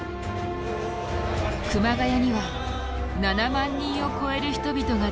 熊谷には７万人を超える人々が詰めかけた。